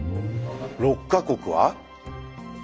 ６か国は？